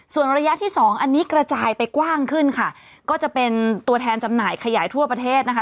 ส่วนระยะที่สองอันนี้กระจายไปกว้างขึ้นค่ะก็จะเป็นตัวแทนจำหน่ายขยายทั่วประเทศนะคะ